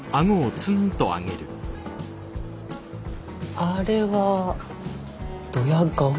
あれはドヤ顔？